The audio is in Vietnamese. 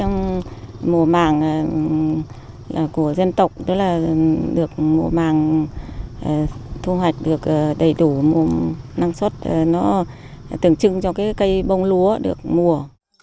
mùa màng của dân tộc mùa màng thu hoạch được đầy đủ năng suất tưởng trưng cho cây bông lúa được mùa